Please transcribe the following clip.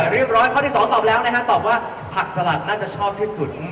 เรียบร้อยข้อที่๒ตอบแล้วนะฮะตอบว่าผักสลัดน่าจะชอบที่สุด